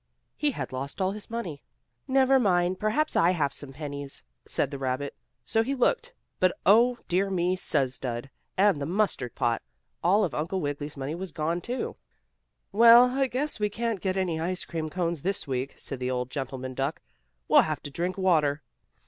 he had lost all his money. "Never mind, perhaps I have some pennies," said the rabbit; so he looked, but, oh, dear me, suz dud and the mustard pot! All of Uncle Wiggily's money was gone, too. "Well, I guess we can't get any ice cream cones this week," said the old gentleman duck. "We'll have to drink water."